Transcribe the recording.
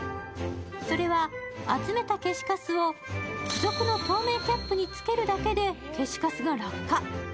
それは、集めた消しかすを付属の透明キャップに付けるだけで消しかすが落下。